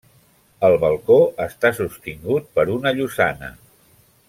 El balcó està sostingut per una llosana.